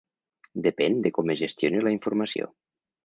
Depèn de com es gestioni la informació.